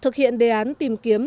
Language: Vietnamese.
thực hiện đề án tìm kiếm